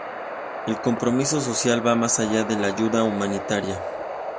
El compromiso social va más allá de la ayuda humanitaria.